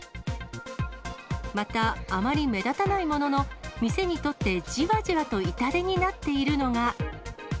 また、あまり目立たないものの、店にとってじわじわと痛手になっているのが。